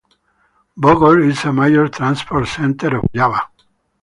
Bogor is a major transport center of Java.